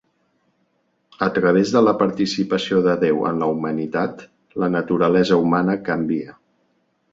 A través de la participació de Déu en la humanitat, la naturalesa humana canvia.